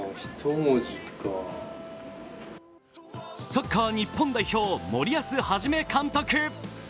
サッカー日本代表森保一監督。